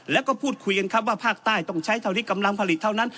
แล้วก็พูดคุยกันครับว่าภาคใต้ต้องใช้เท่าที่กำลังผลิตเท่านั้น